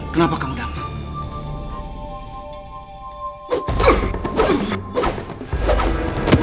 kenapa kamu damar